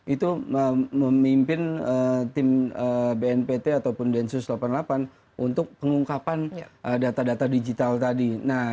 itu memimpin tim bnpt ataupun densus delapan puluh delapan untuk pengungkapan data data digital tadi